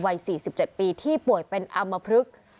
วัย๔๗ปีที่ป่วยเป็นอำมพลึก